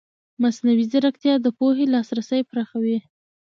مصنوعي ځیرکتیا د پوهې لاسرسی پراخوي.